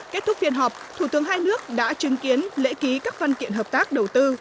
kết thúc phiên họp thủ tướng hai nước đã chứng kiến lễ ký các văn kiện hợp tác đầu tư